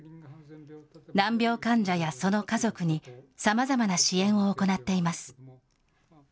難病患者やその家族に、さまざまな支援を行っています。